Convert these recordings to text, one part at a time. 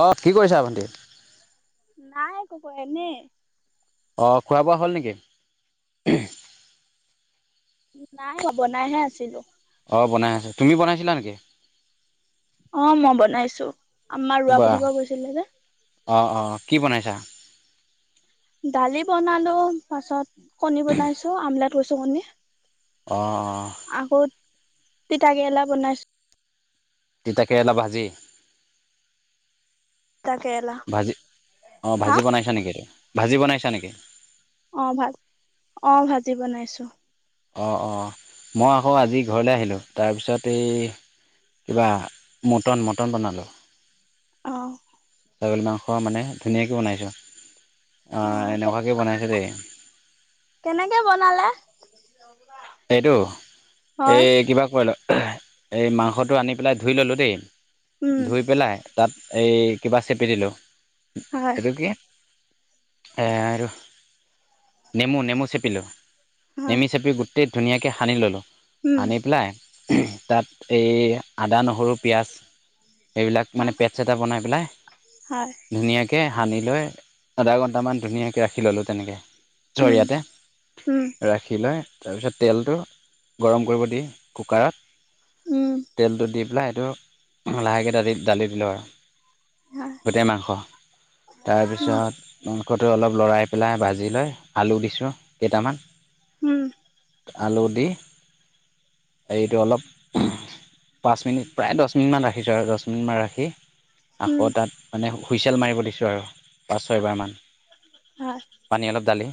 অঁ কি কৰিছা ভণ্টি? নাই একো ক এনেই। অ খোৱা বোৱা হ'ল নেকি? নাই বনাইহে আছিলো। অঁ বনাই আছা। তুমি বনাইছিলা নেকি? অ মই বনাইছো। আমাৰ ৰোৱা বাহ প্ৰতিপ কৈছিলে যে। অ অ কি বনাইছা দালি বনালো, পাছত কণী বনাইছো, আমলেট কৰিছো কণী। অঁ। তিতাকেৰেলা বনাইছো। তিতাকেৰেলা ভাজি? তিতা কেৰেলা ভাজি অ হা ভাজি বনাইছা নেকি ভাজি বনাইছা নেকি? অ ভাত অ ভাজি বনাইছো। অঁ অঁ মই আকৌ আজি ঘৰলৈ আহিলোঁ। তাৰপিছত এই কিবা মটন মটন বনালোঁ। অহ। ছাগলী মাংস মানে ধুনীয়াকৈ বনাইছোঁ। অ আহ এনেকুৱাকে বনাইছে দেই, কেনেকে বনালে এইটো এই হয় কিবা কৰিল - এই মাংসটো আনি পেলাই ধুই ল'লোঁ দেই, উম ধুই পেলাই তাত এই কিবা চেপি দিলোঁ। হয় এইটো কি আৰু নেমু নেমু চেপিলো, হয় নেমু চেপি গোট- গোটেই ধুনীয়াকৈ সানি ললো, উম সানি পেলাই তাত এই আদা, নহৰু, পিঁয়াজ এইেইবিলাক মানে হয় পেটছ এটা বনাই পেলাই, হয় ধুনীয়াকৈ সানি লৈ, আধা ঘণ্টামান ধুনীয়াকৈ ৰাখি ল'লোঁ তেনেকে। উম চৰিয়াতে উম ৰাখি লয়। তাৰপিছত তেলটো গৰম কৰিব দি কুকাৰত, উম তেলটো দি পেলাই সেইটো লাহেকে দালি দালি দিলোঁ আৰু। হয় গোটেই মাংস। উম তাৰপিছত টো অলপ লৰাই পেলাই ভাজি লৈ আলু দিছোঁ কেইটামান। উম। আলু দি এইটো অলপ পাঁচ মিনিট প্ৰায় দহ মিনিটমান ৰাখিছোঁ আৰু দহ মিনিটমান ৰাখি উম আকৌ তাত মানে, হুইচেল মাৰিব দিছোঁ আৰু পাঁচ ছয়বাৰমান হয় পানী অলপ ঢালি।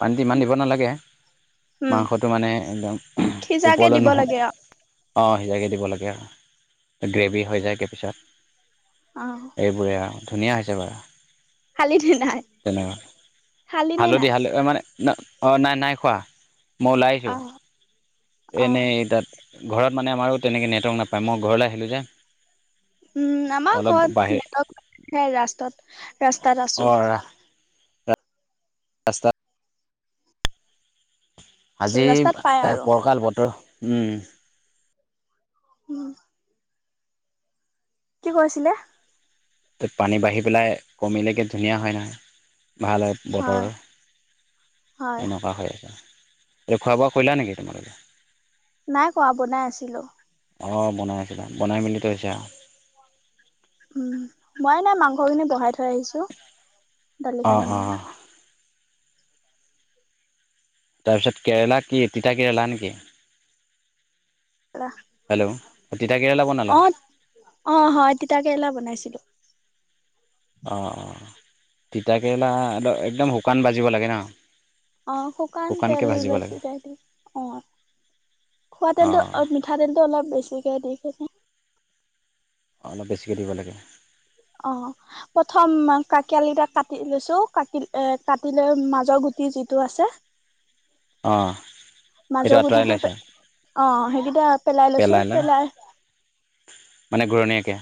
পানীটো ইমান দিব নালাগে। উম মাংসটো মানে একদম সিজাকে ওপলৈ দিব নহল। লাগে আৰু অঁ সিজাকে দিব লাগে। আৰু গ্ৰেভি হৈ যায়গৈ পিছত। অ এইবোৰে আৰু ধুনীয়া হৈছে বাৰু। খালি নে নাই তেনেকুৱা খালি নে নাই হালধি হালধি মানে, নাই অঁ নাই নাই খোৱা, মই ওলাই অ আহিছোঁ। অ এনেই তাত ঘৰত মানে আমাৰো তেনেকে নেটৱৰ্ক নাপায়, মই ঘৰলৈ আহিলোঁ যে। উম আমাৰ অলপ ঘৰত বাহিৰ নেটৱৰ্ক ৰাস্তাত ৰাস্তাত আছো। অঁ ৰাস্তাত - আজি ৰাস্তাত পাই আৰু পৰকাল বতৰ উম। উম কি কৈছিলে? ত পানী বাঢ়ি পেলাই কমিলেকে ধুনীয়া হয় নহয়, ভাল হয় বতৰ। হয় এনেকুৱা হয়। এই খোৱা বোৱা কৰিলা নেকি তোমালোকে? নাই কোৱা বনাই আছিলো। অঁ বনাই আছো বনাই মেলি ত হৈছে আৰু। উম মই নাই মাংসখিনি বহাই থৈ আহিছো অঁ দালিখিনি নমাই। অঁ তাৰপিছত কেৰেলা কি তিতা কেৰেলা নেকি। হেল্ল' অঁ তিতা কেৰেলা বনালা অ অ অ তিতা কেৰেলা বনাইছিলো। অঁ অঁ তিতাকেৰেলা অলপ একদম শুকান বাজিব লাগে ন। অ শুকান শুকানকৈ তেল ভাজিব লাগে বেছিকৈ দ অ। খোৱা তেলতটো অঁ অ মিঠাতেলতটো অলপ বেছিকে দি থৈছো। অলপ বেছিকে দিব লাগে। অ প্ৰথম কাকিয়লিটা কাটি লৈছো কাট এ কাটিলৈ মাজৰ গু যিটো আছে। অ মাজৰ গুঠিটো অ সেইকেইটা পেলাই লৈছো পেলাই মানে ঘূৰণীয়াকৈ।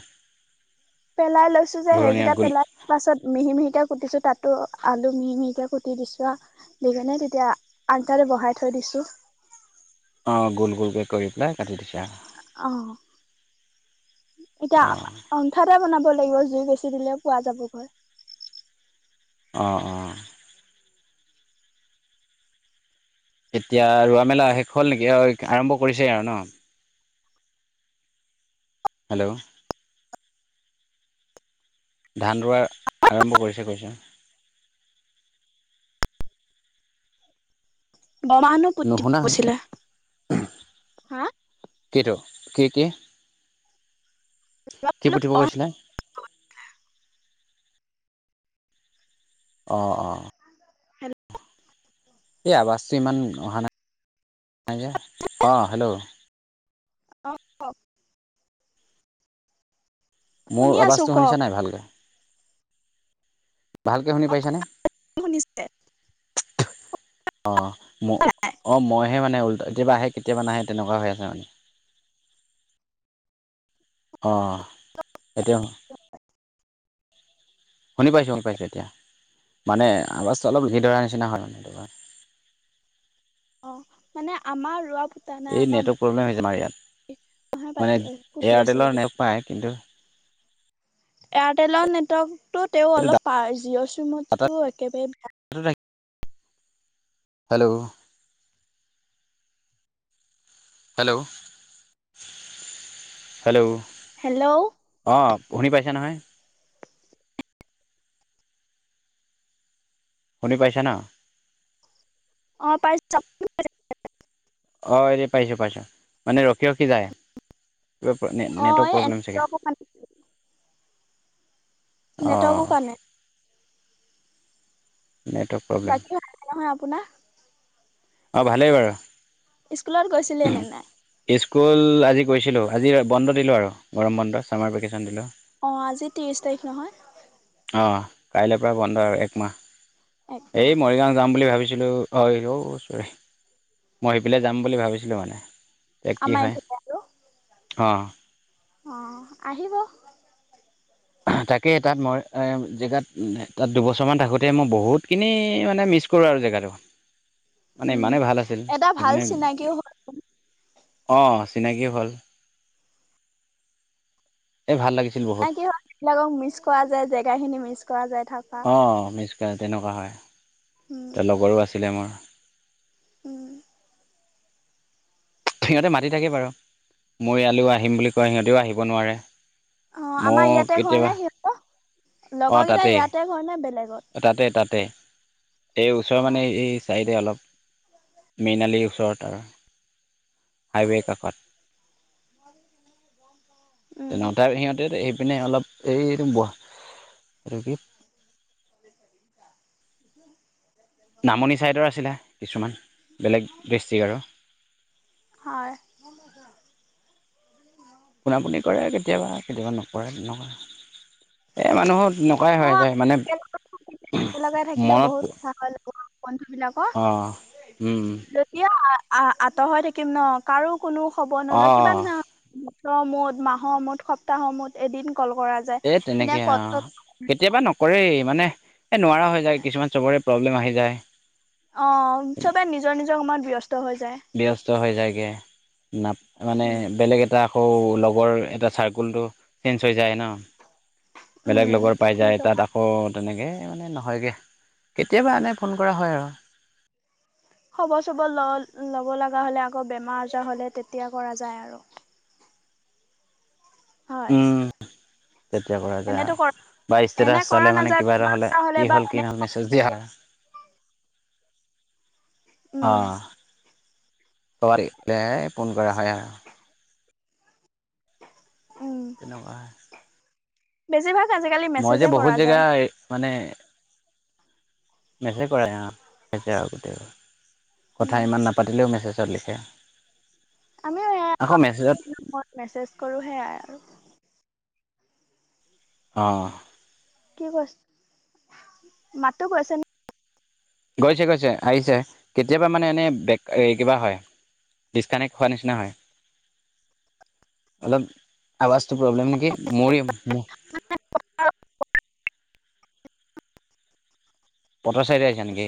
পেলাই লৈছো যে ঘূৰণীয়া সেইকেইটা গোল পেলাই পাছত মিহি মিহি। তিয়া কুটিছো তাতো আলু মিহি মিহিকে কুটি দিছো দি কেনে তেতিয়া আঞ্জা বহাই থৈ দিছো অ গোল গোলকে কৰি পেলাই কাটি দিছো। অ। এতিয়া অঁ অন্ঠাতে বনাব লাগিব জুই বেছি দিলে পোৱা যাব ঘৰ অঁ অঁ এতিয়া ৰোৱা মেলা শেষ হ'ল নেকি আৰম্ভ কৰিছেই আৰু ন হেল্ল' ধান ৰোৱা আৰম্ভ কৰিছে কৈছ। বামাহহ নুশুনা হৈছে পতছিলা হা কিটো কি কি কি পঠিব কৈছিলে। অ অ। এই আৱাসটো ইমান অহ ন অঁ হেল্ল' অ শুনি মোৰ আছো আৱাজটো কওক শুনিছা নাই ভালকৈ। ভালকে শুনি পাইছানে শুনিছে অ। ম অ মইহে মানে ল কেতিয়াবা আহে কেতিয়াবা নাহে তেনেকুৱা হৈ আছে মানে। অঁ এতিয়া। শুনি পাইছোঁ শুনি পাইছোঁ এতিয়া মানে আৱাজটো অলপ লি ধৰাৰ নিচিনা হয় মানে এইটোবাৰ। [inaudible] মানে আমাৰ ৰোৱা পুতা নাই এই আমাৰ নেটৱৰ্ক প্ৰব্লেম হৈছে আমাৰ মাহে ইয়াত। মানে পাতি পুতি আছে এয়াৰটেলৰ নাপায় কিন্তু এয়াৰটেলৰ নেটৱৰ্কটো তেও এইটো অলপ পায় জিঅ' ডাটা চিমততো একেবাৰে বেয়া। হেল্ল'! Hello hello! হেল্ল'! অ শুনি পাইছা নহয়? শুনি পাইছা ন। অ পাই [inaudible] অ এৰি পাইছো পাইছো মানে ৰখি ৰখি যায়। নেট অ এই নেটৱৰ্ক প্ৰবলেম চাগে। নেটৱৰ্কৰ কাৰণে অঁ নেটৱৰ্ক কাৰণে নেটৱৰ্ক প্ৰব্লেম বাকী নহয় আপোনাৰ অ ভালেই বাৰু। স্কুলত গৈছিলে নে নাই স্কুল আজি গৈছিলো। আজি বন্ধ দিলোঁ আৰু গৰম বন্ধ ছামাৰ ভেকেশ্যন দিলোঁ। অ আজি ত্ৰিশ তাৰিখ নহয়। অঁ কাইলৈৰ পৰা বন্ধ আৰু একমাহ, একমাহ এই মৰিগাঁও যাম বুলি ভাবিছিলোঁ অ মই সেইফেলে যাম বুলি ভাবিছিলোঁ মানে। এক কি আমাৰ হয়? এইফালে আৰু অ। অ আহিব। তাকে তাত মই জেগাত তাত দুবছৰমান থাকোঁতে মই বহুতখিনি মানে মিছ জেগাটো মানে, উম ইমানে ভাল আছিল, এটা যি ভাল মানে চিনাকিও হ'ল অ চিনাকিও হল। এই ভাল লাগিছে। ন কি হয় সেইবিলাকক মিছ কৰা যায় জেগা খিনি মিছ কৰা যায়। থাকা অ মিচ তেনেকুৱা হয়, উম লগৰো আছিলে মোৰ। উম। সিহঁতে মাতি থাকে বাৰু। মই ইয়ালে আহিম বুলি কয় সিহঁতেও আহিব নোৱাৰে। অ আমাৰ মই ইয়াতে ঘৰ নে কেতিয়াবা সিহঁতৰ অ লগৰকেইটা তাতে, ইয়াতে ঘৰ নে বেলেগত তাতে তাতে। এই অ ওচৰৰ মানে এই চাইডে অলপ মিনালি ওচৰত আৰু। হাইৱে কাষত। উম তেনে সিহঁতে পিনে অলপ এইটো এইটো কি নামনি ছাইডৰ আছিলে কিছুমান বেলেগ ডিষ্ট্ৰিক আৰু। হয়। পোনা পুনি কৰে কেতিয়াবা কেতিয়াবা নকৰে নকৰে। এই মানুহক নকৰাই হৈ যায় মানে লগাই থাকিলে মনত বহুত কথা হল বন্ধু বিলাকৰ অঁ যেতিয়া আ আঁতৰ হৈ থাকিম ন কাৰো কোনো খবৰ নলয় অঁ কিবা মুঠ মাহৰ মুঠ সপ্তাহৰ মুঠ এদিন কল কৰা যায়, এ তেনেকে সেনেকুৱা ত অ', কেতিয়াবা নকৰেই মানে এ নোৱাৰা হৈ যায় কিছুমান চবৰে প্ৰব্লেম আহি যায়। অ চবে নিজৰ নিজৰ কামত ব্যস্ত। হৈ যায় ব্যস্ত হৈ যায়গে, ন মানে উম বেলেগ এটা আকৌ লগৰ এটা চাৰ্কুলটো চেঞ্জ হৈ যায় ন। বেলেগ উম লগৰ পাই যায় সেইটো তাত আকৌ তেনেকে মানে নহয়গৈ কেতিয়াবা আনে ফোন কৰা হয় আৰু খবৰ চবৰ ল'ব লগা হ'লে আকৌ বেমাৰ আজাৰ হ'লে তেতিয়া কৰা যায় আৰু হয় উম তেতিয়া পৰা যায় এনেতো কৰা আৰু বা ষ্টেটাছ এনে কৰা চালে মানে নাযায় কিবা এটা বেমাৰ হলে আজাৰ কি বা হ'ল এনে কি নহল মেছেজ দিয়া হয় অ উম কবাত দেখিলে ফোন কৰা হয় তেনেকোৱা আৰু বেছি ভাগ মই যে বহুত জেগা মানে হেতে কৰা অ সেতে অ কথা উম ইমান নাপাতিলেও মেছেজত লিখে আমিও আকৌ মেছেজত মই মেছেজ কৰো সেয়াই আৰু অ কি কৈ মাততো গৈছে নে গৈছে গৈছে আহিছে, কেতিয়াবা মানে এনে বেক কিবা হয়। ডিচকানেক্ট হোৱাৰ নিচিনা হয়। অলপ আৱাজটো প্ৰব্লেম নেকি। মৰি - পট চাইটে আহিছা নেকি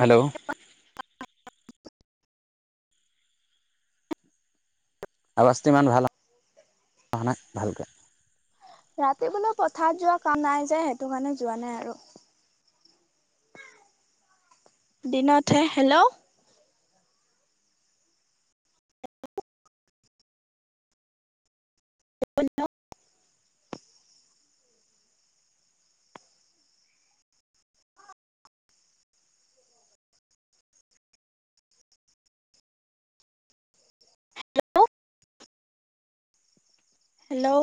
হেল্ল', আৱাজটো ইমান ভাল নাই ভালকৈ। ৰাতি কোনো পথাৰত যোৱা কাম নাই যে, সেইটো কাৰণে যোৱা নাই আৰু। দিনত হে হেল্ল', ব ন [unintelligible] হেল্ল',